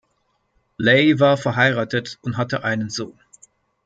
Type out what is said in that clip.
Ley war verheiratet und hatte einen Sohn.